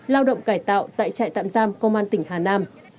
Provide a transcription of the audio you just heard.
lao động cải tạo tại trại tạm giam công an tỉnh hà nam